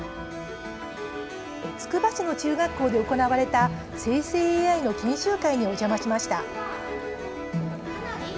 つくば市の中学校で行われた生成ＡＩの研修会におじゃましました。